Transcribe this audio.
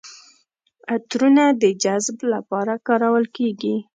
عطرونه د جذب لپاره کارول کیږي.